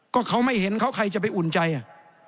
ก็เขาไม่เห็นเขาใครจะไปอุ่นใจอ่ะ